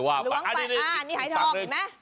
อันนี้หายทองเห็นไหม